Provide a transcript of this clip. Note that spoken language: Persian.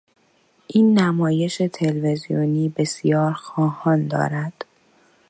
این نمایش تلویزیونی بسیار خواهان دارد.